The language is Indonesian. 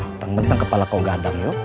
benteng benteng kepala kau gandang yuk